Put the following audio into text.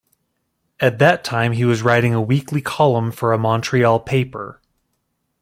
At that time he was writing a weekly column for a Montreal paper.